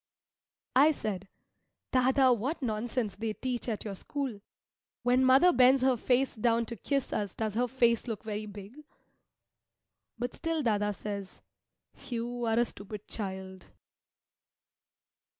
I said, "Dâdâ, what nonsense they teach at your school! When mother bends her face down to kiss us does her face look very big?" But still dâdâ says, "You are a stupid child."